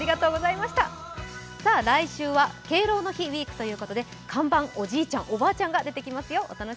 来週は敬老の日ウィークということで看板おじいちゃん、おばあちゃんが出てきますよ。